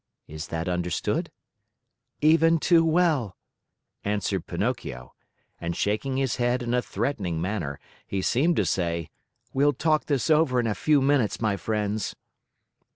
Is that understood?" "Even too well," answered Pinocchio. And shaking his head in a threatening manner, he seemed to say, "We'll talk this over in a few minutes, my friends."